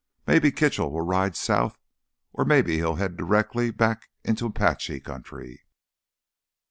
Maybe Kitchell will ride south, or maybe he'll head directly back into Apache country.